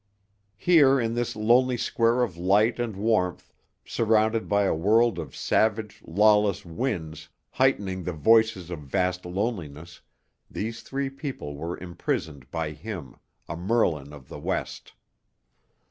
Here in this lonely square of light and warmth, surrounded by a world of savage, lawless winds heightening the voices of vast loneliness, these three people were imprisoned by him, a Merlin of the West.